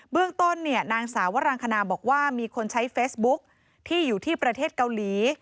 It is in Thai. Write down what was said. เรื่องต้นเนี่ยนางสาวรังคณาบอกว่ามีคนใช้เฟซบุ๊กที่อยู่ที่ประเทศเกาหลี